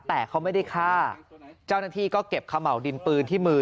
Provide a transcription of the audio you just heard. แต่เขาไม่ได้ฆ่าเจ้าหน้าที่ก็เก็บขม่าวดินปืนที่มือ